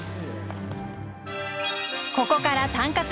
ここからタンカツ！